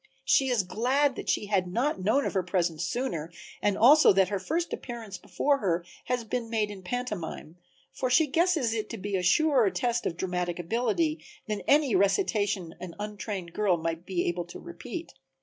She is glad then that she had not known of her presence sooner and also that her first appearance before her has been made in pantomime, for she guesses it to be a surer test of dramatic ability than any recitation an untrained girl might be able to repeat.